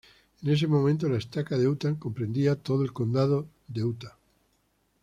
En ese momento, la Estaca de Utah comprendía todo el Condado de Utah.